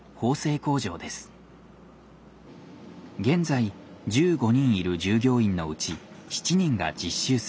現在１５人いる従業員のうち７人が実習生。